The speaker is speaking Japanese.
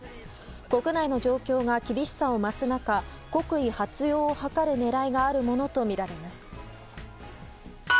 国内の状況が厳しさを増す中国威発揚を図る狙いがあるものとみられます。